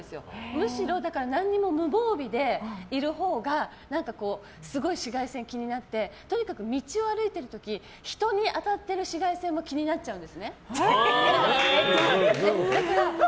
むしろ無防備でいるほうがすごい紫外線が気になってとにかく道を歩いてる時人に当たってる紫外線もどういうこと？